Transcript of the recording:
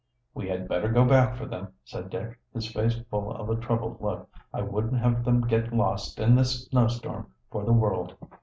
"We had better go back for them," said Dick, his face full of a troubled look. "I wouldn't have them get lost in this snowstorm for the world."